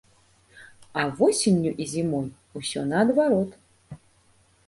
А восенню і зімой усё наадварот.